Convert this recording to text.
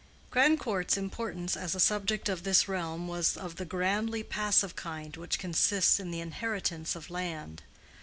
Grandcourt's importance as a subject of this realm was of the grandly passive kind which consists in the inheritance of land.